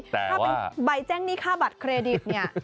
ถ้าเป็นใบแจ้งหนี้ค่าบัตรเครดิตเนี่ย